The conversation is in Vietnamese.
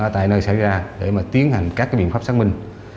tại nơi xảy ra để mà tiến hành các biện pháp xác minh